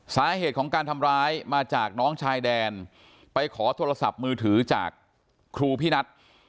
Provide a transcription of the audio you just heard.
สาเหตุของการทำร้ายมาจากน้องชายแดนไปขอโทรศัพท์มือถือจากครูพี่นัท